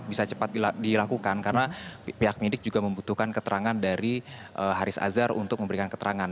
bisa cepat dilakukan karena pihak medik juga membutuhkan keterangan dari haris azhar untuk memberikan keterangan